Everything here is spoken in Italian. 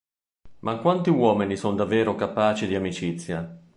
Ma quanti uomini son davvero capaci di amicizia?